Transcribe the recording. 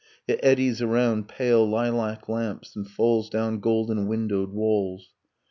. It eddies around pale lilac lamps, and falls Down golden windowed walls.